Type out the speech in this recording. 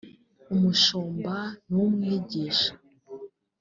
Umushumba n’Umwigisha